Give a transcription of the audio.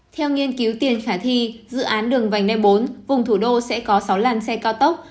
theo nghiên cứu tiền khả thi dự án đường vành đai bốn vùng thủ đô sẽ có sáu làn xe cao tốc